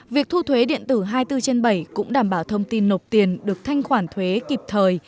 việc thu thuế điện tử hai mươi bốn trên bảy cũng đảm bảo thông tin nộp tiền được thanh khoản thuế kịp thời